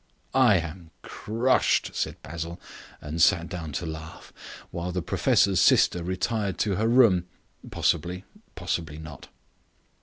"I am crushed," said Basil, and sat down to laugh, while the professor's sister retired to her room, possibly to laugh, possibly not.